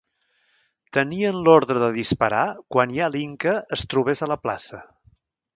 Tenien l'ordre de disparar quan ja l'inca, es trobés a la plaça.